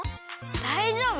だいじょうぶ！